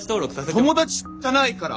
友達じゃないから！